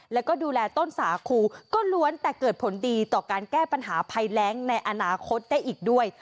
แล้วก็ดูแลต้นสาคูก็ล้วนแต่เกิดผลดีต่อการแก้ปัญหาภัยแรงในอนาคตได้อีกด้วย